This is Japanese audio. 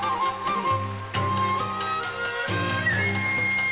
うん。